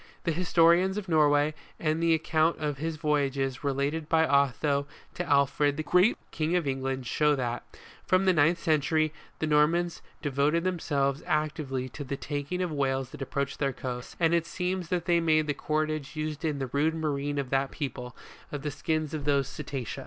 The historians of Norway, and the account of his voyages related by Otho to Alfred the Great, King of England, show that, from the ninth century, the Normans devoted themselves actively to the taking of whales that approached their coasts, and it seems that they made the cordage used in the rude marine of that people, of the skins of these cetacea.